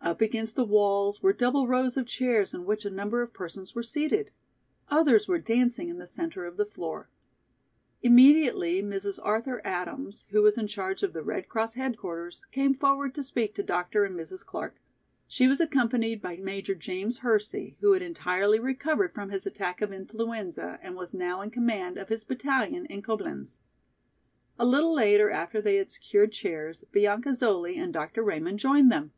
Up against the walls were double rows of chairs in which a number of persons were seated. Others were dancing in the centre of the floor. Immediately Mrs. Arthur Adams, who was in charge of the Red Cross headquarters, came forward to speak to Dr. and Mrs. Clark. She was accompanied by Major James Hersey, who had entirely recovered from his attack of influenza and was now in command of his battalion in Coblenz. A little later, after they had secured chairs, Bianca Zoli and Dr. Raymond joined them.